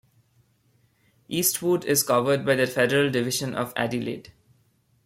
Eastwood is covered by the federal Division of Adelaide.